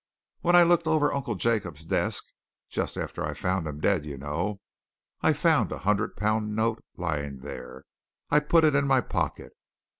When I looked over Uncle Jacob's desk, just after I found him dead, you know, I found a hundred pound note lying there. I put it in my pocket.